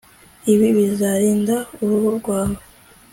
Ibi bizarinda uruhu rwawe